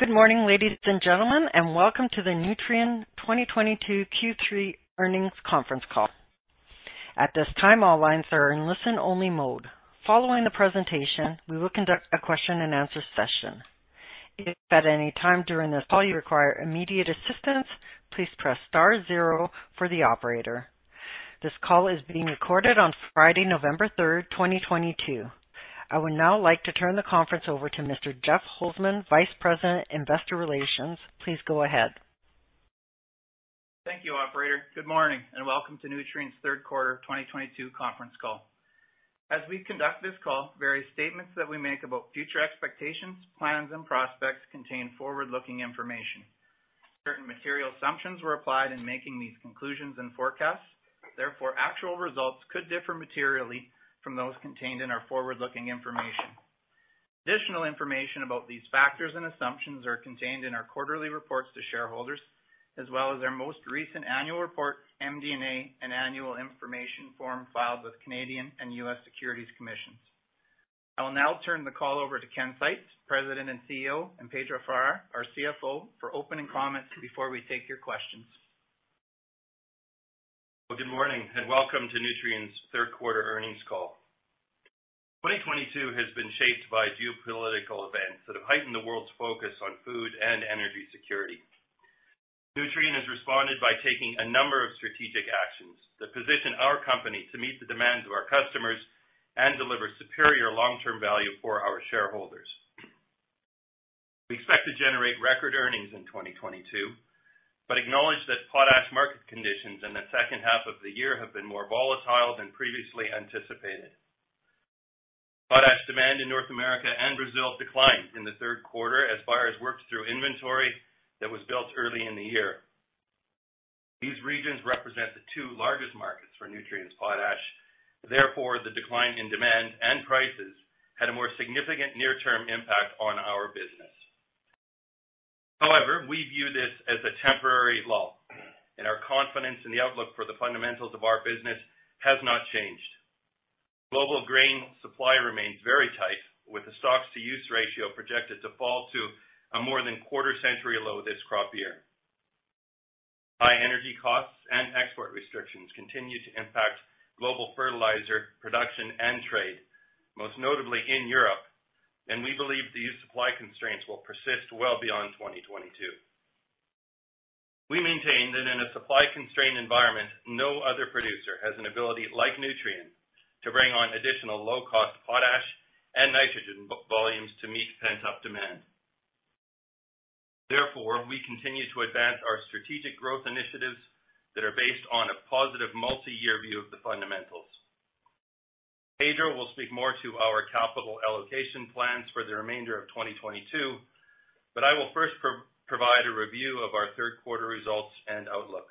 Good morning, ladies and gentlemen, and welcome to the Nutrien 2022 Q3 earnings conference call. At this time, all lines are in listen-only mode. Following the presentation, we will conduct a question-and-answer session. If at any time during this call you require immediate assistance, please press star zero for the operator. This call is being recorded on Friday, November 3rd, 2022. I would now like to turn the conference over to Mr. Jeff Holzman, Vice President, Investor Relations. Please go ahead. Thank you, operator. Good morning, and welcome to Nutrien's third quarter of 2022 conference call. As we conduct this call, various statements that we make about future expectations, plans, and prospects contain forward-looking information. Certain material assumptions were applied in making these conclusions and forecasts. Therefore, actual results could differ materially from those contained in our forward-looking information. Additional information about these factors and assumptions are contained in our quarterly reports to shareholders, as well as our most recent annual report, MD&A, and annual information form filed with Canadian and U.S. Securities Commissions. I will now turn the call over to Ken Seitz, President and CEO, and Pedro Farah, our CFO, for opening comments before we take your questions. Well, good morning and welcome to Nutrien's third quarter earnings call. 2022 has been shaped by geopolitical events that have heightened the world's focus on food and energy security. Nutrien has responded by taking a number of strategic actions that position our company to meet the demands of our customers and deliver superior long-term value for our shareholders. We expect to generate record earnings in 2022, but acknowledge that potash market conditions in the second half of the year have been more volatile than previously anticipated. Potash demand in North America and Brazil declined in the third quarter as buyers worked through inventory that was built early in the year. These regions represent the two largest markets for Nutrien's potash. Therefore, the decline in demand and prices had a more significant near-term impact on our business. However, we view this as a temporary lull, and our confidence in the outlook for the fundamentals of our business has not changed. Global grain supply remains very tight, with the stocks-to-use ratio projected to fall to a more than quarter-century low this crop year. High energy costs and export restrictions continue to impact global fertilizer production and trade, most notably in Europe, and we believe these supply constraints will persist well beyond 2022. We maintain that in a supply-constrained environment, no other producer has an ability like Nutrien to bring on additional low-cost potash and nitrogen volumes to meet pent-up demand. Therefore, we continue to advance our strategic growth initiatives that are based on a positive multi-year view of the fundamentals. Pedro will speak more to our capital allocation plans for the remainder of 2022, but I will first provide a review of our third quarter results and outlook.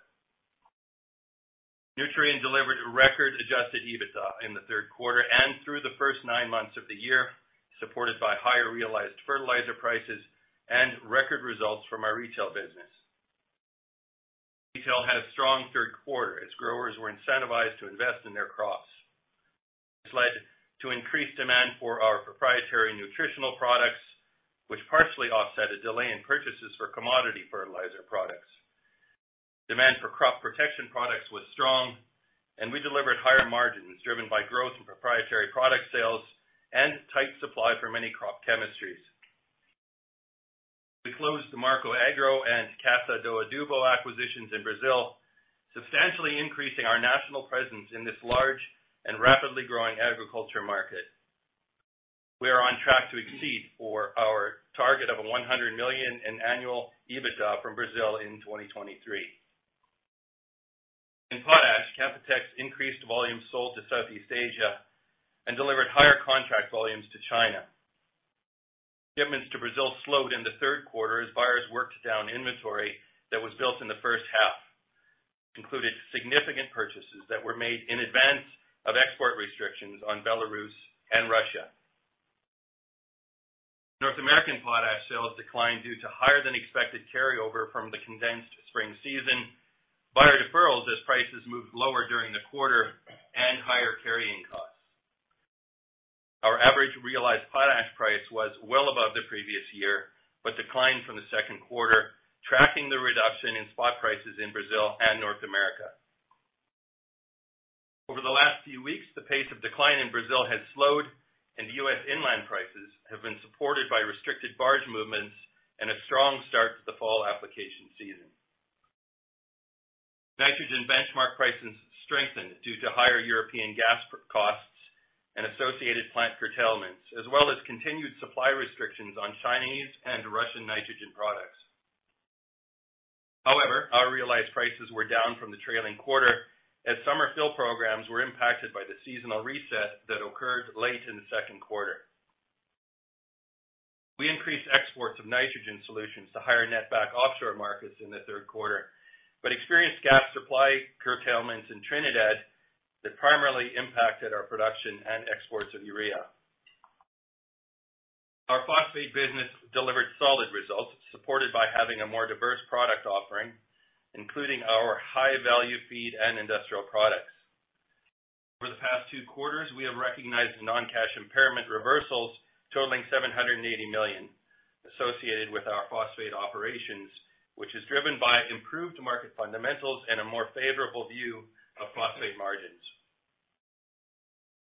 Nutrien delivered record adjusted EBITDA in the third quarter and through the first nine months of the year, supported by higher realized fertilizer prices and record results from our retail business. Retail had a strong third quarter as growers were incentivized to invest in their crops, which led to increased demand for our proprietary nutritional products, which partially offset a delay in purchases for commodity fertilizer products. Demand for crop protection products was strong, and we delivered higher margins driven by growth in proprietary product sales and tight supply for many crop chemistries. We closed the Marca Agro and Casa do Adubo acquisitions in Brazil, substantially increasing our national presence in this large and rapidly growing agriculture market. We are on track to exceed our target of $100 million in annual EBITDA from Brazil in 2023. In potash, Canpotex's increased volume sold to Southeast Asia and delivered higher contract volumes to China. Shipments to Brazil slowed in the third quarter as buyers worked down inventory that was built in the first half, including significant purchases that were made in advance of export restrictions on Belarus and Russia. North American potash sales declined due to higher than expected carryover from the condensed spring season, buyer deferrals as prices moved lower during the quarter, and higher carrying costs. Our average realized potash price was well above the previous year, but declined from the second quarter, tracking the reduction in spot prices in Brazil and North America. Over the last few weeks, the pace of decline in Brazil has slowed, and U.S. inland prices have been supported by restricted barge movements and a strong start to the fall application season. Nitrogen benchmark prices strengthened due to higher European gas costs and associated plant curtailments, as well as continued supply restrictions on Chinese and Russian nitrogen products. However, our realized prices were down from the trailing quarter as summer fill programs were impacted by the seasonal reset that occurred late in the second quarter. We increased exports of nitrogen solutions to higher netback offshore markets in the third quarter, but experienced gas supply curtailments in Trinidad that primarily impacted our production and exports of urea. Our phosphate business delivered solid results, supported by having a more diverse product offering, including our high-value feed and industrial products. Last two quarters, we have recognized non-cash impairment reversals totaling $780 million associated with our phosphate operations, which is driven by improved market fundamentals and a more favorable view of phosphate margins.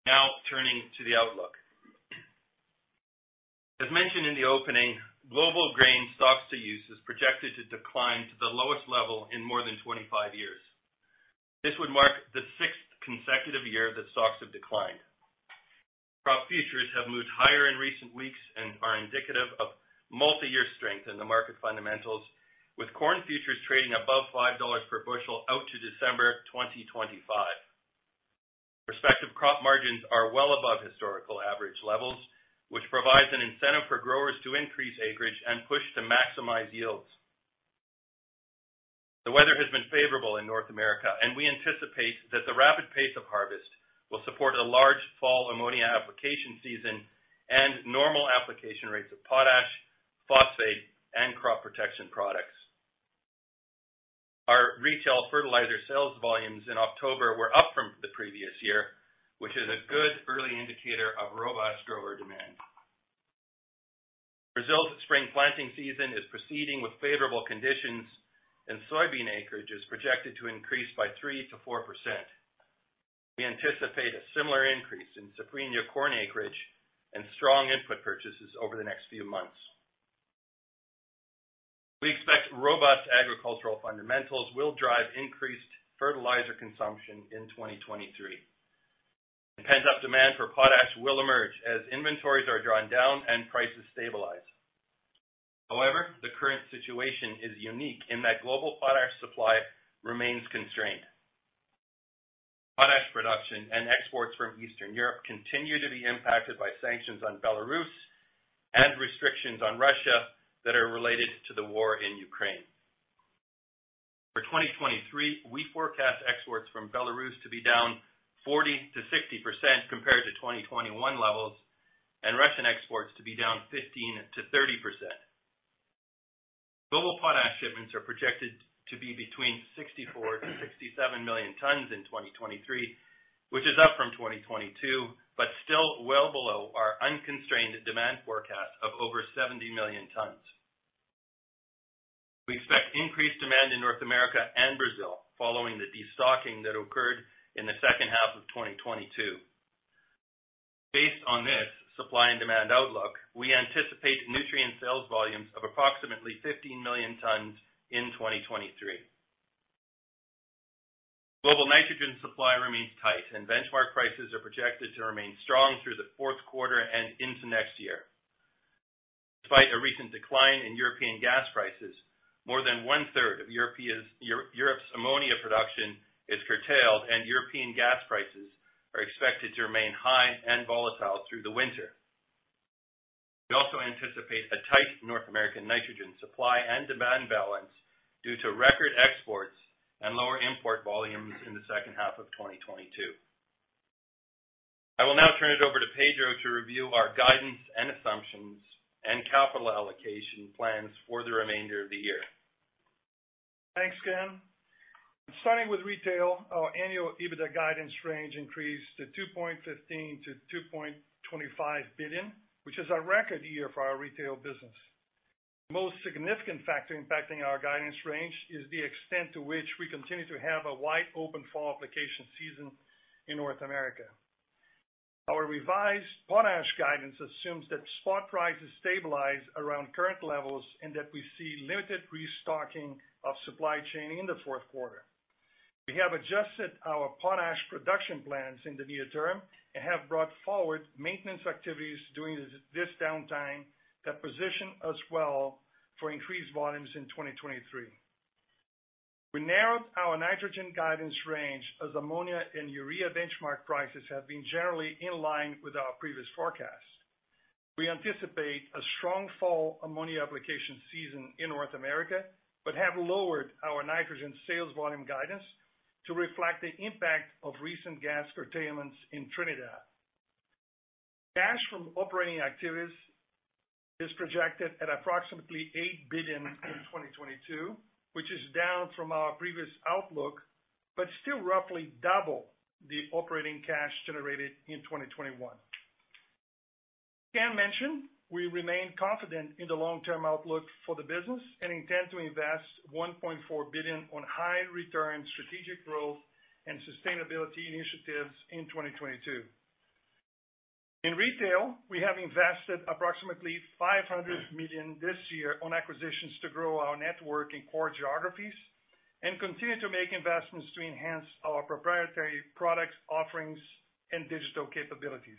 Now turning to the outlook. As mentioned in the opening, global grain stocks-to-use is projected to decline to the lowest level in more than 25 years. This would mark the sixth consecutive year that stocks have declined. Crop futures have moved higher in recent weeks and are indicative of multiyear strength in the market fundamentals, with corn futures trading above $5 per bushel out to December 2025. Respective crop margins are well above historical average levels, which provides an incentive for growers to increase acreage and push to maximize yields. The weather has been favorable in North America, and we anticipate that the rapid pace of harvest will support a large fall ammonia application season and normal application rates of potash, phosphate, and crop protection products. Our retail fertilizer sales volumes in October were up from the previous year, which is a good early indicator of robust grower demand. Brazil's spring planting season is proceeding with favorable conditions, and soybean acreage is projected to increase by 3%-4%. We anticipate a similar increase in Safrinha corn acreage and strong input purchases over the next few months. We expect robust agricultural fundamentals will drive increased fertilizer consumption in 2023. Pent-up demand for potash will emerge as inventories are drawn down and prices stabilize. However, the current situation is unique in that global potash supply remains constrained. Potash production and exports from Eastern Europe continue to be impacted by sanctions on Belarus and restrictions on Russia that are related to the war in Ukraine. For 2023, we forecast exports from Belarus to be down 40%-60% compared to 2021 levels, and Russian exports to be down 15%-30%. Global potash shipments are projected to be between 64-67 million tons in 2023, which is up from 2022, but still well below our unconstrained demand forecast of over 70 million tons. We expect increased demand in North America and Brazil following the destocking that occurred in the second half of 2022. Based on this supply and demand outlook, we anticipate nutrient sales volumes of approximately 15 million tons in 2023. Global nitrogen supply remains tight, and benchmark prices are projected to remain strong through the fourth quarter and into next year. Despite a recent decline in European gas prices, more than one-third of Europe's ammonia production is curtailed, and European gas prices are expected to remain high and volatile through the winter. We also anticipate a tight North American nitrogen supply and demand balance due to record exports and lower import volumes in the second half of 2022. I will now turn it over to Pedro to review our guidance and assumptions and capital allocation plans for the remainder of the year. Thanks, Ken. Starting with retail, our annual EBITDA guidance range increased to $2.15 billion-$2.25 billion, which is a record year for our retail business. The most significant factor impacting our guidance range is the extent to which we continue to have a wide open fall application season in North America. Our revised potash guidance assumes that spot prices stabilize around current levels and that we see limited restocking of supply chain in the fourth quarter. We have adjusted our potash production plans in the near term and have brought forward maintenance activities during this downtime that position us well for increased volumes in 2023. We narrowed our nitrogen guidance range as ammonia and urea benchmark prices have been generally in line with our previous forecast. We anticipate a strong fall ammonia application season in North America but have lowered our nitrogen sales volume guidance to reflect the impact of recent gas curtailments in Trinidad. Cash from operating activities is projected at approximately $8 billion in 2022, which is down from our previous outlook, but still roughly double the operating cash generated in 2021. Ken mentioned we remain confident in the long-term outlook for the business and intend to invest $1.4 billion on high return strategic growth and sustainability initiatives in 2022. In retail, we have invested approximately $500 million this year on acquisitions to grow our network in core geographies and continue to make investments to enhance our proprietary products offerings and digital capabilities.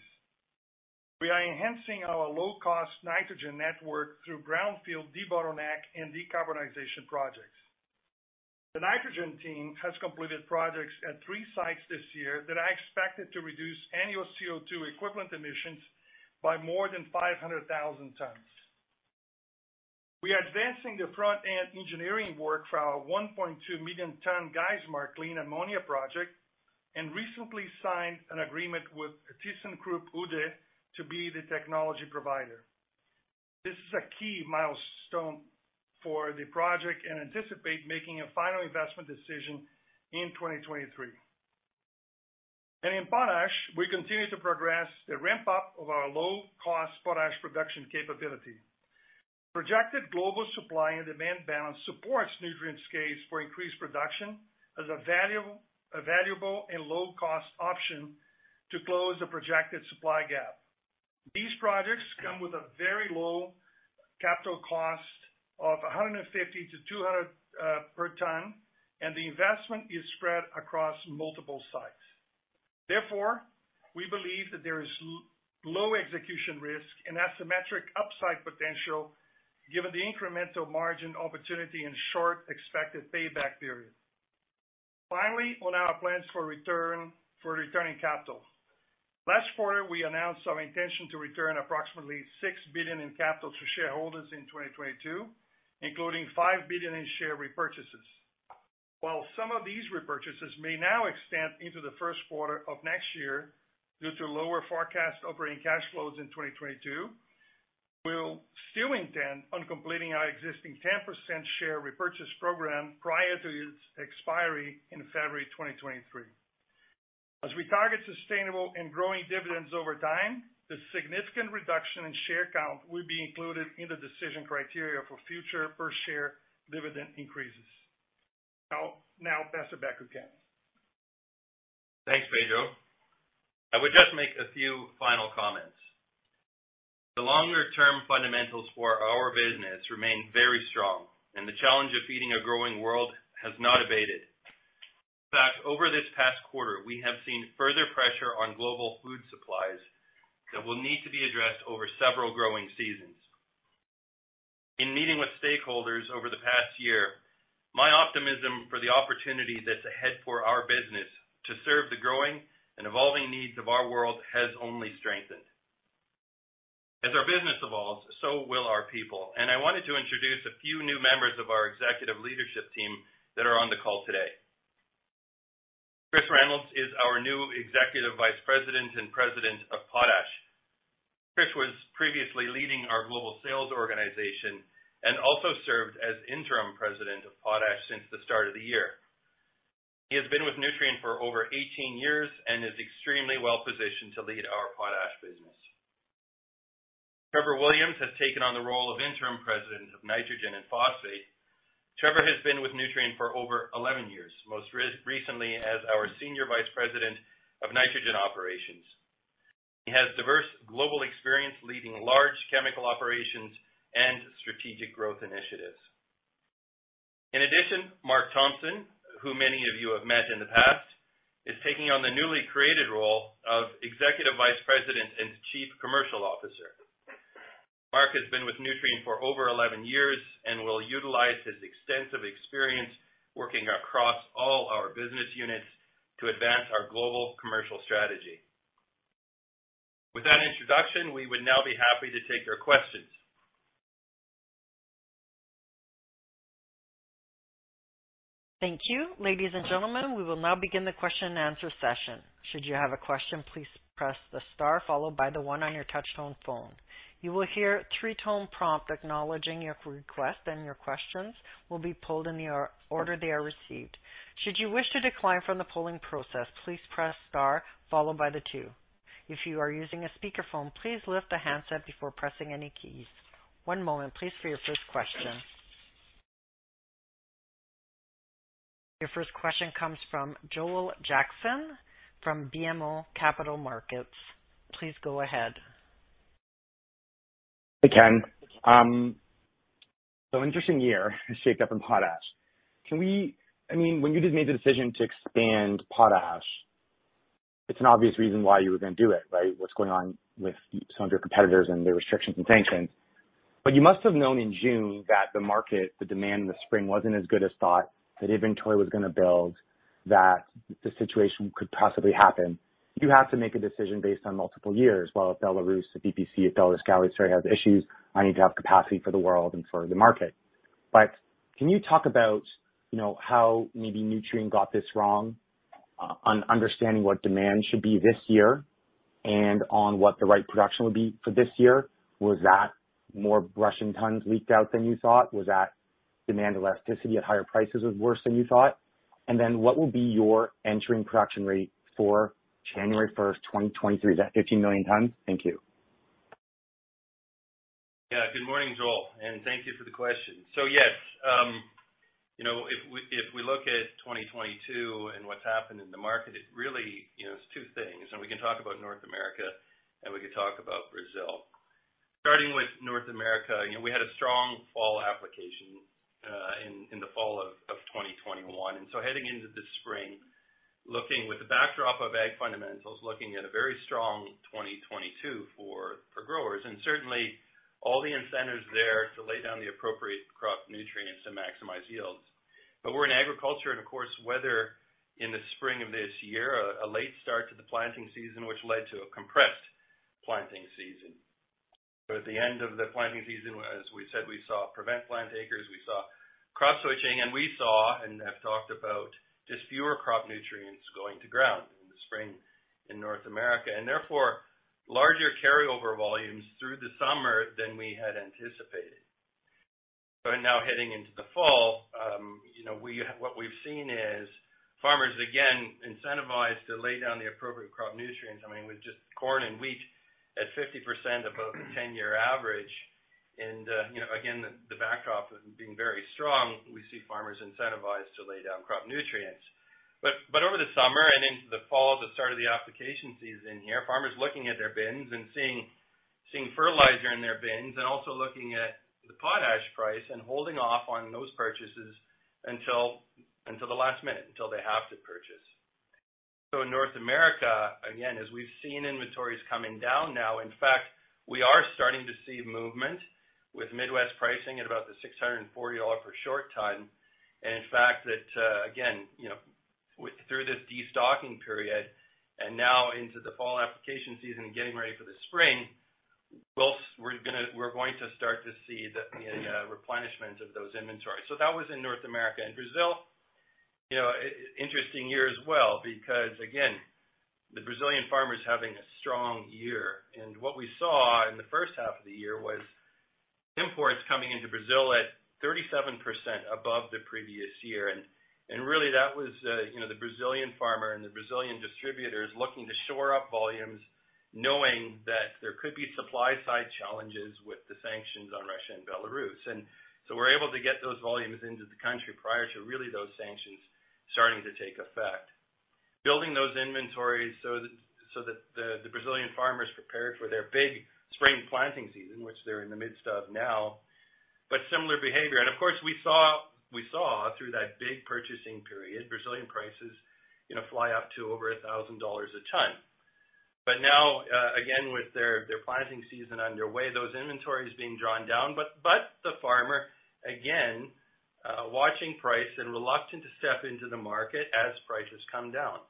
We are enhancing our low-cost nitrogen network through greenfield debottleneck and decarbonization projects. The nitrogen team has completed projects at three sites this year that are expected to reduce annual CO₂ equivalent emissions by more than 500,000 tons. We are advancing the front-end engineering work for our 1.2 million ton Geismar clean ammonia project and recently signed an agreement with thyssenkrupp Uhde to be the technology provider. This is a key milestone for the project and anticipate making a final investment decision in 2023. In potash, we continue to progress the ramp up of our low-cost potash production capability. Projected global supply and demand balance supports Nutrien's case for increased production as a valuable and low-cost option to close the projected supply gap. These projects come with a very low capital cost of $150-$200 per ton, and the investment is spread across multiple sites. Therefore, we believe that there is low execution risk and asymmetric upside potential given the incremental margin opportunity and short expected payback period. Finally, on our plans for return, for returning capital. Last quarter, we announced our intention to return approximately $6 billion in capital to shareholders in 2022, including $5 billion in share repurchases. While some of these repurchases may now extend into the first quarter of next year due to lower forecast operating cash flows in 2022, we'll still intend on completing our existing 10% share repurchase program prior to its expiry in February 2023. As we target sustainable and growing dividends over time, the significant reduction in share count will be included in the decision criteria for future per share dividend increases. I'll now pass it back to Ken. Thanks, Pedro. I would just make a few final comments. The longer term fundamentals for our business remain very strong, and the challenge of feeding a growing world has not abated. In fact, over this past quarter, we have seen further pressure on global food supplies that will need to be addressed over several growing seasons. In meeting with stakeholders over the past year, my optimism for the opportunity that's ahead for our business to serve the growing and evolving needs of our world has only strengthened. As our business evolves, so will our people, and I wanted to introduce a few new members of our executive leadership team that are on the call today. Chris Reynolds is our new Executive Vice President and President of Potash. Chris was previously leading our global sales organization and also served as Interim President of Potash since the start of the year. He has been with Nutrien for over 18 years and is extremely well-positioned to lead our potash business. Trevor Williams has taken on the role of Interim President of Nitrogen and Phosphate. Trevor has been with Nutrien for over 11 years, most recently as our Senior Vice President of Nitrogen Operations. He has diverse global experience leading large chemical operations and strategic growth initiatives. In addition, Mark Thompson, who many of you have met in the past, is taking on the newly created role of Executive Vice President and Chief Commercial Officer. Mark has been with Nutrien for over 11 years and will utilize his extensive experience working across all our business units to advance our global commercial strategy. With that introduction, we would now be happy to take your questions. Thank you. Ladies and gentlemen, we will now begin the question and answer session. Should you have a question, please press the star followed by the one on your touchtone phone. You will hear three-tone prompt acknowledging your request, and your questions will be pulled in the order they are received. Should you wish to decline from the polling process, please press star followed by the two. If you are using a speakerphone, please lift the handset before pressing any keys. One moment please for your first question. Your first question comes from Joel Jackson from BMO Capital Markets. Please go ahead. Hey, Ken. Interesting year has shaped up in potash. I mean, when you just made the decision to expand potash, it's an obvious reason why you were gonna do it, right? What's going on with some of your competitors and the restrictions and sanctions. You must have known in June that the market, the demand in the spring wasn't as good as thought, that inventory was gonna build, that the situation could possibly happen. You have to make a decision based on multiple years. While if Belarus, if BPC at Belaruskali start to have issues, I need to have capacity for the world and for the market. Can you talk about, you know, how maybe Nutrien got this wrong on understanding what demand should be this year and on what the right production would be for this year? Was that more Russian tons leaked out than you thought? Was that demand elasticity at higher prices was worse than you thought? What will be your entering production rate for January 1st, 2023? Is that 15 million tons? Thank you. Yeah. Good morning, Joel, and thank you for the question. Yes, you know, if we look at 2022 and what's happened in the market, it really, you know, is two things, and we can talk about North America and we can talk about Brazil. Starting with North America, you know, we had a strong fall application in the fall of 2021. Heading into this spring, looking with the backdrop of ag fundamentals, looking at a very strong 2022 for growers, and certainly all the incentives there to lay down the appropriate crop nutrients to maximize yields. We're in agriculture and of course, weather in the spring of this year, a late start to the planting season, which led to a compressed planting season. At the end of the planting season, as we said, we saw prevent plant acres crop switching, and have talked about just fewer crop nutrients going to ground in the spring in North America, and therefore larger carryover volumes through the summer than we had anticipated. Now heading into the fall, you know, what we've seen is farmers again incentivized to lay down the appropriate crop nutrients. I mean, with just corn and wheat at 50% above the 10-year average and, you know, again, the backdrop of being very strong, we see farmers incentivized to lay down crop nutrients. Over the summer and into the fall, the start of the application season here, farmers looking at their bins and seeing fertilizer in their bins and also looking at the potash price and holding off on those purchases until the last minute, until they have to purchase. In North America, again, as we've seen inventories coming down now, in fact, we are starting to see movement with Midwest pricing at about the $640 per short ton. In fact, again, you know, through this de-stocking period and now into the fall application season and getting ready for the spring, we're going to start to see the replenishment of those inventories. That was in North America. In Brazil, you know, interesting year as well because again, the Brazilian farmer's having a strong year. What we saw in the first half of the year was imports coming into Brazil at 37% above the previous year. Really that was, you know, the Brazilian farmer and the Brazilian distributors looking to shore up volumes, knowing that there could be supply-side challenges with the sanctions on Russia and Belarus. We're able to get those volumes into the country prior to, really, those sanctions starting to take effect. Building those inventories so that the Brazilian farmers are prepared for their big spring planting season, which they're in the midst of now, but similar behavior. Of course, we saw through that big purchasing period, Brazilian prices, you know, fly up to over $1,000 a ton. Now, again, with their planting season underway, those inventories being drawn down. The farmer again watching prices and reluctant to step into the market as prices come down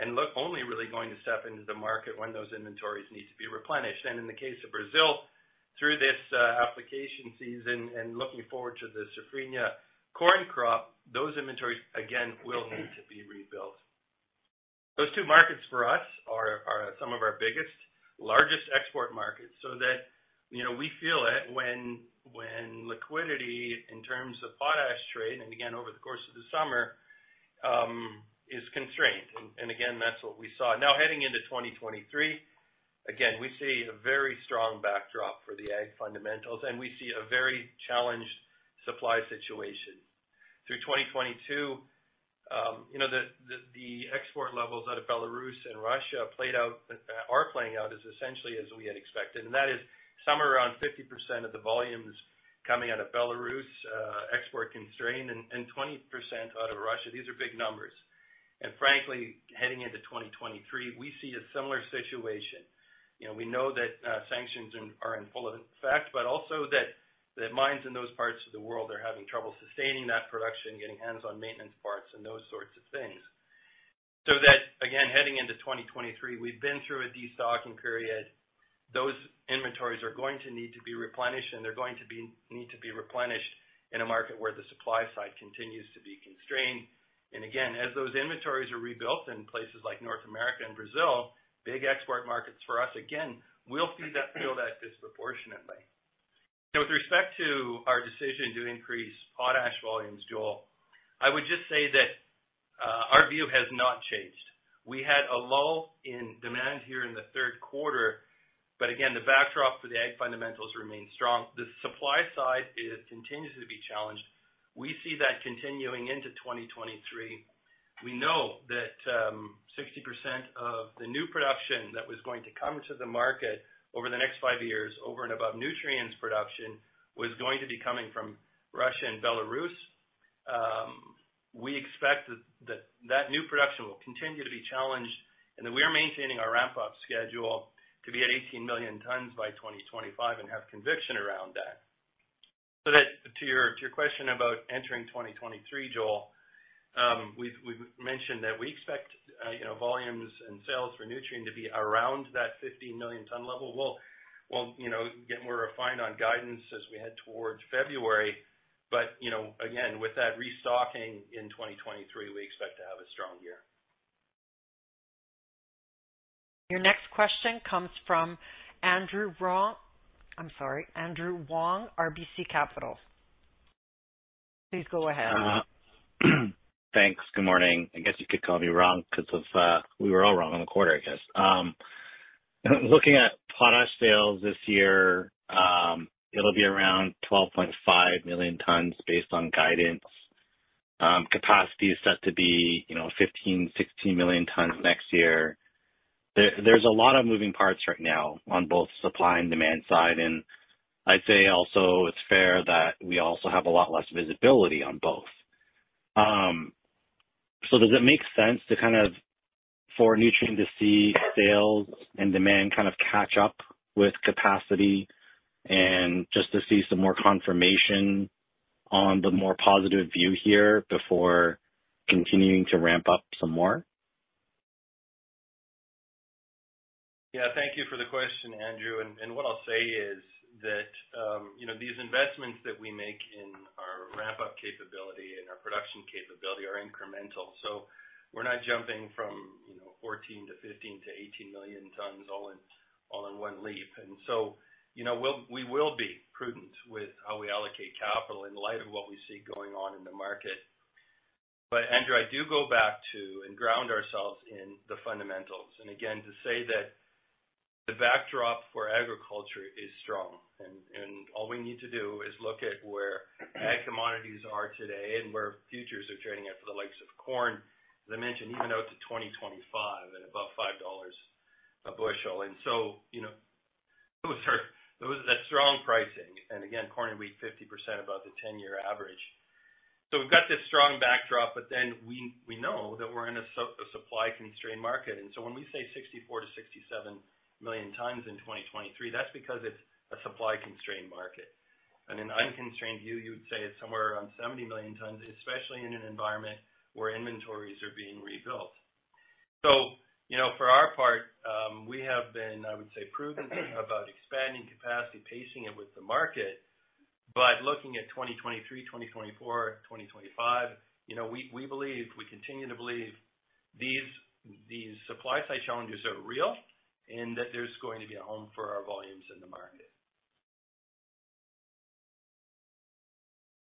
and look only really going to step into the market when those inventories need to be replenished. In the case of Brazil, through this application season and looking forward to the Safrinha corn crop, those inventories again will need to be rebuilt. Those two markets for us are some of our biggest, largest export markets, so that, you know, we feel it when liquidity in terms of potash trade, and again, over the course of the summer, is constrained. Again, that's what we saw. Now, heading into 2023, again, we see a very strong backdrop for the ag fundamentals, and we see a very challenged supply situation. Through 2022, the export levels out of Belarus and Russia played out, are playing out as essentially as we had expected, and that is somewhere around 50% of the volumes coming out of Belarus export constrained and 20% out of Russia. These are big numbers. Frankly, heading into 2023, we see a similar situation. We know that sanctions are in full effect, but also that mines in those parts of the world are having trouble sustaining that production, getting their hands on maintenance parts and those sorts of things. That, again, heading into 2023, we've been through a de-stocking period. Those inventories are going to need to be replenished, and need to be replenished in a market where the supply side continues to be constrained. As those inventories are rebuilt in places like North America and Brazil, big export markets for us, again, we'll see that, feel that disproportionately. With respect to our decision to increase potash volumes, Joel, I would just say that our view has not changed. We had a lull in demand here in the third quarter, but again, the backdrop for the ag fundamentals remains strong. The supply side continues to be challenged. We see that continuing into 2023. We know that 60% of the new production that was going to come to the market over the next five years over and above Nutrien's production was going to be coming from Russia and Belarus. We expect that new production will continue to be challenged and that we're maintaining our ramp-up schedule to be at 18 million tons by 2025 and have conviction around that. To your question about entering 2023, Joel, we've mentioned that we expect you know volumes and sales for Nutrien to be around that 15 million ton level. We'll, you know, get more refined on guidance as we head towards February. You know, again, with that restocking in 2023, we expect to have a strong year. Your next question comes from Andrew Wong. I'm sorry. Andrew Wong, RBC Capital. Please go ahead. Thanks. Good morning. I guess you could call me Wrong because of, we were all wrong on the quarter, I guess. Looking at potash sales this year, it'll be around 12.5 million tons based on guidance. Capacity is set to be, you know, 15 million, 16 million tons next year. There's a lot of moving parts right now on both supply and demand side, and I'd say also it's fair that we also have a lot less visibility on both. Does it make sense to kind of, for Nutrien to see sales and demand kind of catch up with capacity and just to see some more confirmation on the more positive view here before continuing to ramp up some more? Thank you for the question, Andrew. What I'll say is that, you know, these investments that we make in our wrap-up capability and our production capability are incremental. We're not jumping from, you know, 14 million to 15 million to 18 million tons all in one leap. You know, we will be prudent with how we allocate capital in light of what we see going on in the market. Andrew, I do go back to and ground ourselves in the fundamentals. Again, to say that the backdrop for agriculture is strong. All we need to do is look at where ag commodities are today and where futures are trending at for the likes of corn, as I mentioned, even out to 2025 at above $5 a bushel. Those are that strong pricing. Again, corn and wheat 50% above the ten-year average. We've got this strong backdrop, but then we know that we're in a supply constrained market. When we say 64 million-67 million tons in 2023, that's because it's a supply constrained market. An unconstrained view, you would say it's somewhere around 70 million tons, especially in an environment where inventories are being rebuilt. You know, for our part, we have been, I would say, prudent about expanding capacity, pacing it with the market. Looking at 2023, 2024, 2025, you know, we believe, we continue to believe these supply side challenges are real, and that there's going to be a home for our volumes in the market.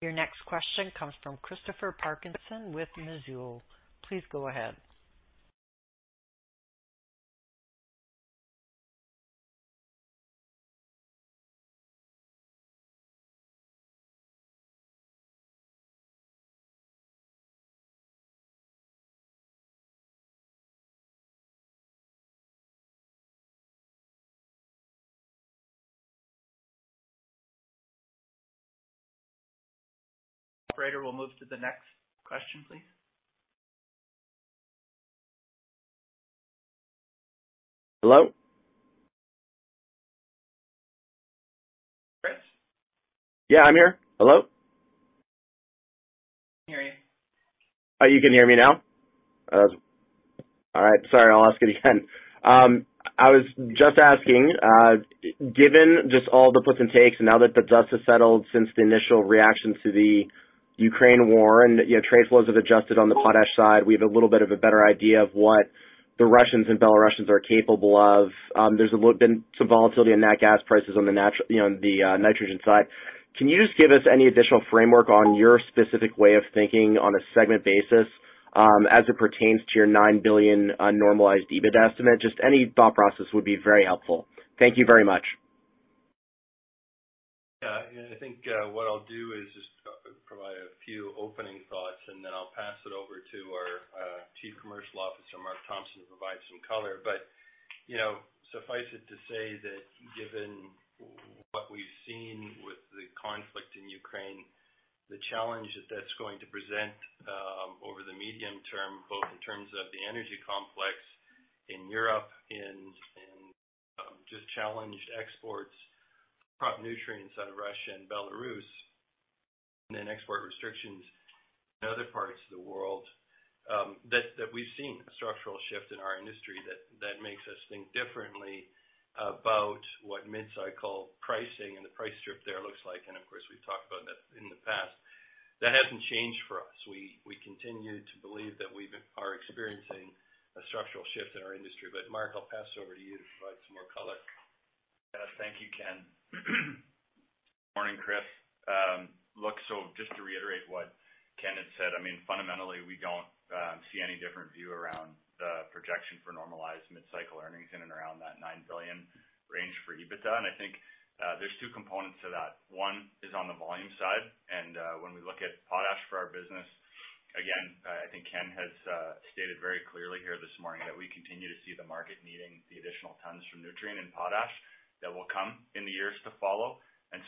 Your next question comes from Christopher Parkinson with Mizuho. Please go ahead. Operator, we'll move to the next question, please. Hello? Chris? Yeah, I'm here. Hello? I can hear you. You can hear me now? All right. Sorry, I'll ask it again. I was just asking, given just all the puts and takes and now that the dust has settled since the initial reactions to the Ukraine war and, you know, trade flows have adjusted on the potash side, we have a little bit of a better idea of what the Russians and Belarusians are capable of. There's been some volatility in nat gas prices on the, you know, nitrogen side. Can you just give us any additional framework on your specific way of thinking on a segment basis, as it pertains to your $9 billion normalized EBITDA estimate? Just any thought process would be very helpful. Thank you very much. Yeah. I think what I'll do is just provide a few opening thoughts, and then I'll pass it over to our Chief Commercial Officer, Mark Thompson, to provide some color. You know, suffice it to say that given what we've seen with the conflict in Ukraine, the challenge that that's going to present over the medium term, both in terms of the energy complex in Europe and just challenged exports, crop nutrients out of Russia and Belarus, and then export restrictions in other parts of the world, that we've seen a structural shift in our industry that makes us think differently about what mid-cycle pricing and the price strip there looks like. Of course, we've talked about that in the past. That hasn't changed for us. We continue to believe that we are experiencing a structural shift in our industry. Mark, I'll pass it over to you to provide some more color. Yeah, thank you, Ken. Morning, Chris. Look, so just to reiterate what Ken had said, I mean, fundamentally, we don't see any different view around the projection for normalized mid-cycle earnings in and around that $9 billion range for EBITDA. I think there's two components to that. One is on the volume side. When we look at potash for our business, again, I think Ken has stated very clearly here this morning that we continue to see the market needing the additional tons from Nutrien and potash that will come in the years to follow.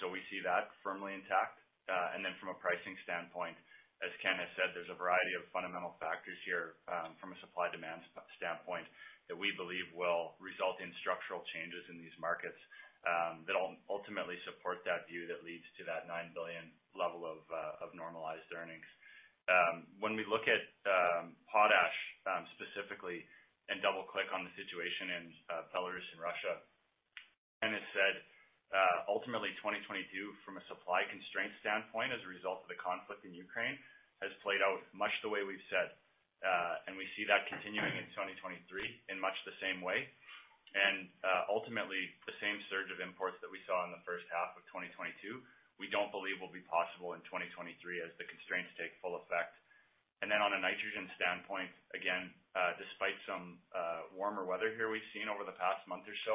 We see that firmly intact. From a pricing standpoint, as Ken has said, there's a variety of fundamental factors here, from a supply-demand standpoint that we believe will result in structural changes in these markets, that'll ultimately support that view that leads to that $9 billion level of normalized earnings. When we look at potash specifically, and double click on the situation in Belarus and Russia, Ken has said, ultimately 2022 from a supply constraint standpoint as a result of the conflict in Ukraine has played out much the way we've said. We see that continuing in 2023 in much the same way. Ultimately, the same surge of imports that we saw in the first half of 2022, we don't believe will be possible in 2023 as the constraints take full effect. On a nitrogen standpoint, again, despite some warmer weather here we've seen over the past month or so,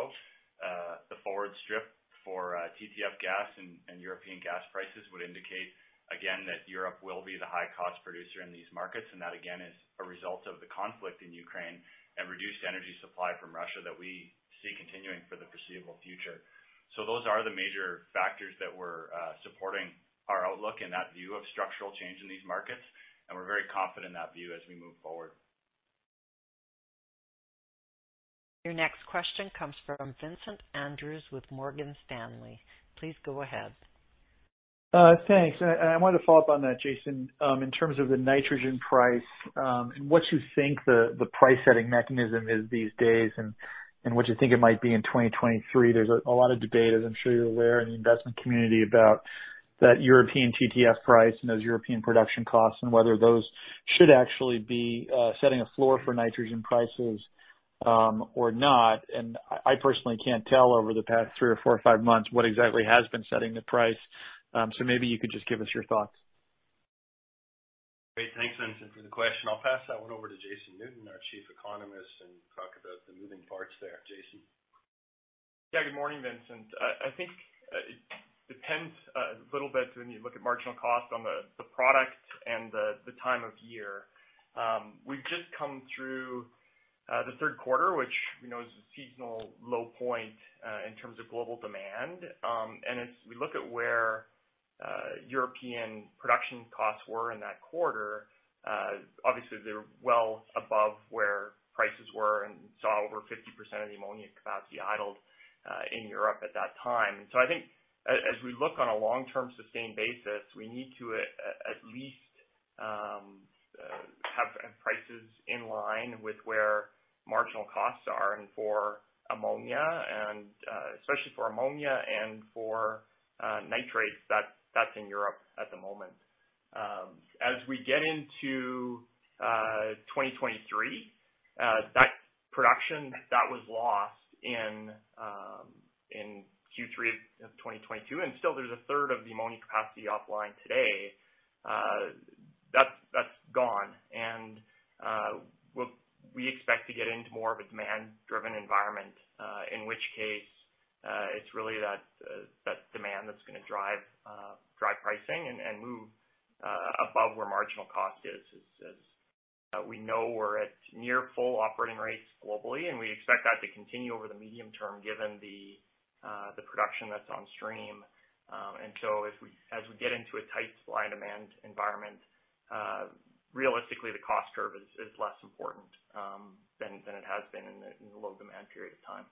the forward strip for TTF gas and European gas prices would indicate again that Europe will be the high cost producer in these markets. That again is a result of the conflict in Ukraine and reduced energy supply from Russia that we see continuing for the foreseeable future. Those are the major factors that we're supporting our outlook and that view of structural change in these markets, and we're very confident in that view as we move forward. Your next question comes from Vincent Andrews with Morgan Stanley. Please go ahead. Thanks. I wanted to follow up on that, Jason. In terms of the nitrogen price and what you think the price setting mechanism is these days and what you think it might be in 2023. There's a lot of debate, as I'm sure you're aware, in the investment community about that European TTF price and those European production costs and whether those should actually be setting a floor for nitrogen prices, or not. I personally can't tell over the past three or four or five months what exactly has been setting the price. Maybe you could just give us your thoughts. Great. Thanks, Vincent, for the question. I'll pass that one over to Jason Newton, our Chief Economist, and talk about the moving parts there. Jason? Yeah, good morning, Vincent. I think it depends a little bit when you look at marginal cost on the product and the time of year. We've just come through the third quarter, which we know is a seasonal low point in terms of global demand. As we look at where European production costs were in that quarter, obviously they're well above where prices were and saw over 50% of the ammonia capacity idled in Europe at that time. I think as we look on a long-term sustained basis, we need to at least have prices in line with where marginal costs are and for ammonia and especially for ammonia and for nitrates that's in Europe at the moment. As we get into 2023, that production that was lost in Q3 of 2022, and still there's a third of the ammonia capacity offline today, that's gone. We expect to get into more of a demand-driven environment, in which case, it's really that demand that's gonna drive pricing and move above where marginal cost is, as we know we're at near full operating rates globally, and we expect that to continue over the medium term given the production that's on stream. As we get into a tight supply/demand environment, realistically, the cost curve is less important than it has been in the low demand period of time.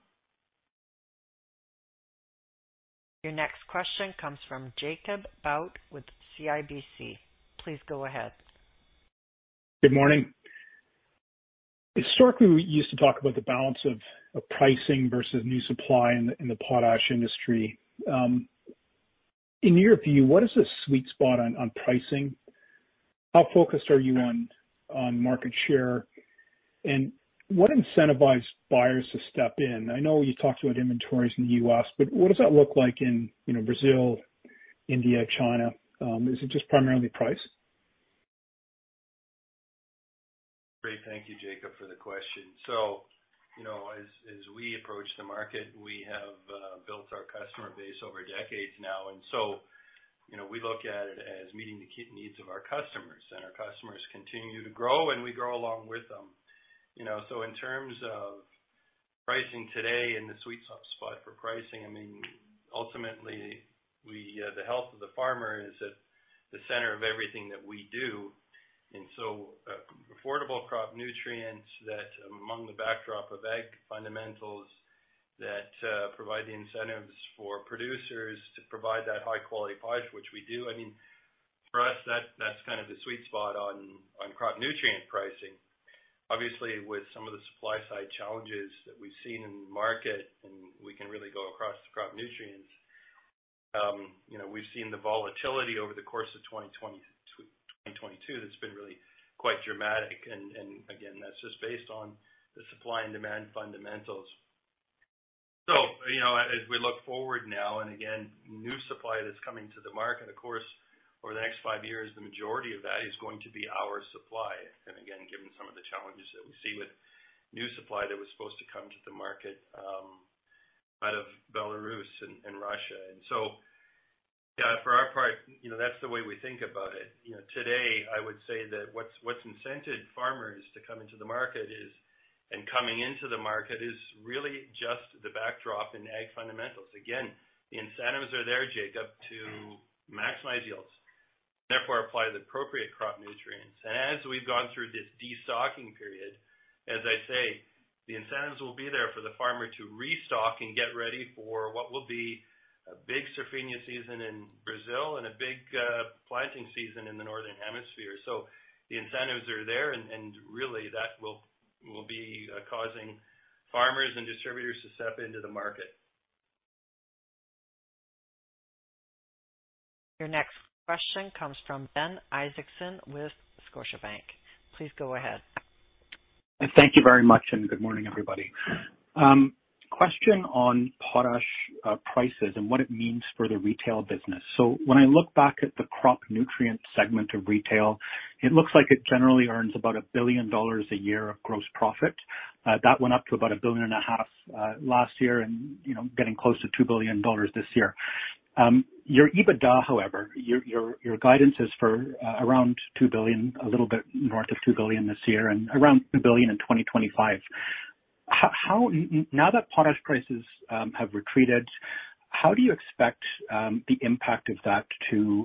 Your next question comes from Jacob Bout with CIBC. Please go ahead. Good morning. Historically, we used to talk about the balance of pricing versus new supply in the potash industry. In your view, what is the sweet spot on pricing? How focused are you on market share? What incentivized buyers to step in? I know you talked about inventories in the U.S., but what does that look like in, you know, Brazil, India, China? Is it just primarily price? Great. Thank you, Jacob, for the question. You know, as we approach the market, we have built our customer base over decades now. We look at it as meeting the key needs of our customers, and our customers continue to grow, and we grow along with them. You know, in terms of pricing today and the sweet spot for pricing, I mean, ultimately, the health of the farmer is at the center of everything that we do. Affordable crop nutrients, that among the backdrop of ag fundamentals that provide the incentives for producers to provide that high-quality potash, which we do, I mean, for us, that's kind of the sweet spot on crop nutrient pricing. Obviously, with some of the supply side challenges that we've seen in the market, and we can really go across the crop nutrients, you know, we've seen the volatility over the course of 2020 to 2022 that's been really quite dramatic. Again, that's just based on the supply and demand fundamentals. You know, as we look forward now and again, new supply that's coming to the market, of course, over the next five years, the majority of that is going to be our supply. Again, given some of the challenges that we see with new supply that was supposed to come to the market, out of Belarus and Russia. Yeah, for our part, you know, that's the way we think about it. You know, today, I would say that what's incented farmers to come into the market is, and coming into the market is really just the backdrop in ag fundamentals. Again, the incentives are there, Jacob, to maximize yields, therefore apply the appropriate crop nutrients. As we've gone through this de-stocking period, as I say, the incentives will be there for the farmer to restock and get ready for what will be a big Safrinha season in Brazil and a big planting season in the northern hemisphere. The incentives are there and really that will be causing farmers and distributors to step into the market. Your next question comes from Ben Isaacson with Scotiabank. Please go ahead. Thank you very much, and good morning, everybody. Question on potash prices and what it means for the retail business. When I look back at the crop nutrient segment of retail, it looks like it generally earns about $1 billion a year of gross profit. That went up to about $1.5 billion last year and, you know, getting close to $2 billion this year. Your EBITDA, however, your guidance is for around $2 billion, a little bit north of $2 billion this year and around $2 billion in 2025. Now that potash prices have retreated, how do you expect the impact of that to